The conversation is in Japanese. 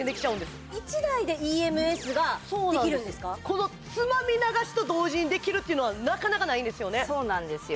このつまみ流しと同時にできるっていうのはなかなかないんですそうなんですよ